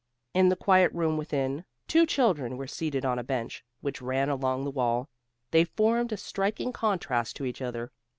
In the quiet room within, two children were seated on a bench, which ran along the wall. They formed a striking contrast to each other.